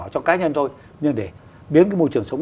cho cá nhân thôi nhưng để biến cái môi trường sống